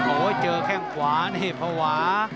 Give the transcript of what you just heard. โอ้โหเจอแข้งขวานี่ภาวะ